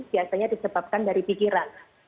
biasanya disebabkan dari pikiran